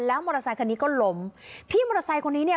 มอเตอร์ไซคันนี้ก็ล้มพี่มอเตอร์ไซค์คนนี้เนี่ย